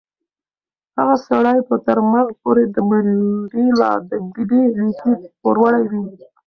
هغه سړی به تر مرګ پورې د منډېلا د دې نېکۍ پوروړی وي.